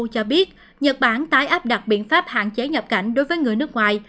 cho biết nhật bản tái áp đặt biện pháp hạn chế nhập cảnh đối với người nước ngoài